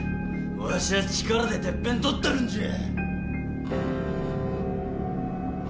わしゃあ力でてっぺん取ったるんじゃ。